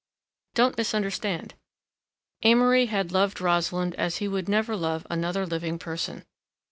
Don't misunderstand! Amory had loved Rosalind as he would never love another living person.